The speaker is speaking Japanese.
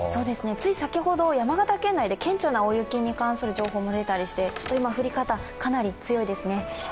つい先ほど、山形県内で顕著な大雪に関する情報も出たりして今、降り方かなり強いですね。